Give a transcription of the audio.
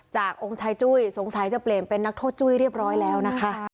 องค์ชายจุ้ยสงสัยจะเปลี่ยนเป็นนักโทษจุ้ยเรียบร้อยแล้วนะคะ